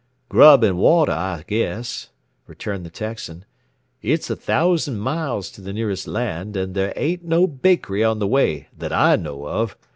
"Grub and water, I guess," returned the Texan. "It's a thousand miles to the nearest land, and there ain't no bakery on the way that I know of.